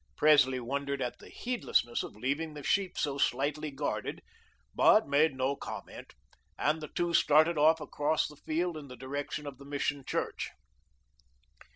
Presley wondered at the heedlessness of leaving the sheep so slightly guarded, but made no comment, and the two started off across the field in the direction of the Mission church.